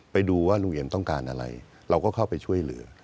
ไปดูว่าลุงเอี่ยมต้องการอะไรเราก็เข้าไปช่วยเหลือ